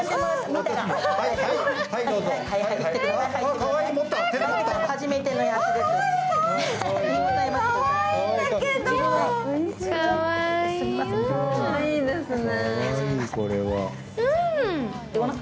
かわいいですね。